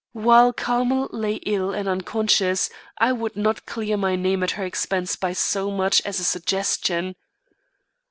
While Carmel lay ill and unconscious, I would not clear my name at her expense by so much as a suggestion.